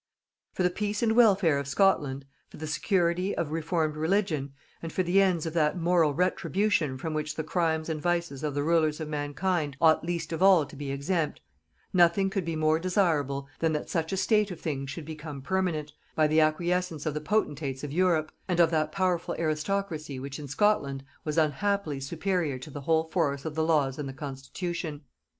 For the peace and welfare of Scotland, for the security of reformed religion, and for the ends of that moral retribution from which the crimes and vices of the rulers of mankind ought least of all to be exempt, nothing could be more desirable than that such a state of things should become permanent, by the acquiescence of the potentates of Europe, and of that powerful aristocracy which in Scotland was unhappily superior to the whole force of the laws and the constitution.